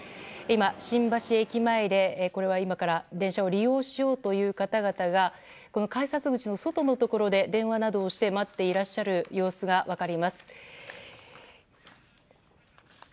新橋駅前で今から電車を利用しようという方々が改札口の外のところで電話などをして待っていらっしゃる様子が分かります。